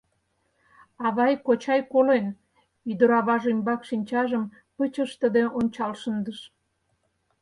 — Авай, кочай колен? — ӱдыр аваж ӱмбак шинчажым пыч ыштыде ончал шындыш.